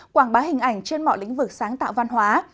quảng bá hình ảnh trên mọi lĩnh vực sáng tạo văn hóa